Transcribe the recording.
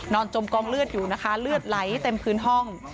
จมกองเลือดอยู่นะคะเลือดไหลเต็มพื้นห้อง